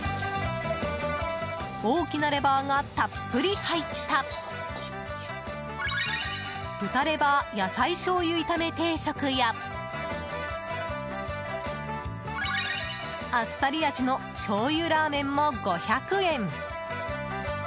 大きなレバーがたっぷり入った豚レバー野菜醤油炒め定食やあっさり味の醤油ラーメンも５００円。